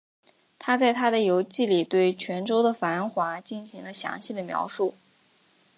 他在他的游记里对泉州的繁华进行了详细的描述。